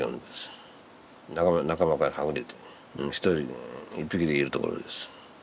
仲間からはぐれてね一人でね一匹でいるところです。